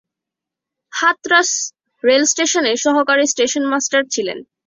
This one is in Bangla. হাতরাস রেল ষ্টেশনে সহকারী ষ্টেশন মাষ্টার ছিলেন।